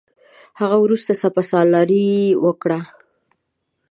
هغه ورته سپه سالاري ورکړه.